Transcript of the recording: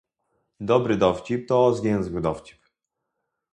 Dobry dowcip to zwięzły dowcip